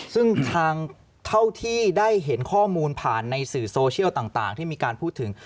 ซึ่งทางเท่าที่ได้เห็นข้อมูลผ่านในสื่อโซเชียลต่างที่มีการพูดถึง